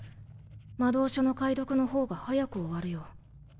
魔導書の解読のほうが早く終わるよ。